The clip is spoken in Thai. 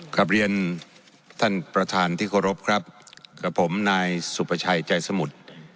กลับเรียนท่านประธานที่เคารพครับกับผมนายสุประชัยใจสมุทร